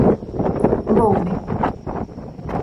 voume.